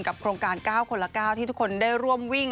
โครงการ๙คนละ๙ที่ทุกคนได้ร่วมวิ่ง